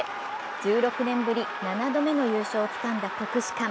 １６年ぶり７度目の優勝をつかんだ国士舘。